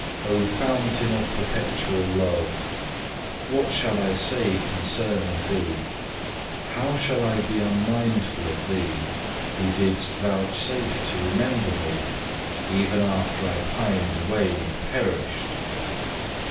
2. O Fountain of perpetual love, what shall I say concerning Thee? How shall I be unmindful of Thee, who didst vouchsafe to remember me, even after I pined away and perished?